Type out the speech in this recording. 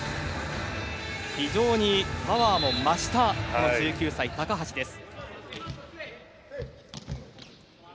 非常にパワーも増したこの１９歳、高橋です。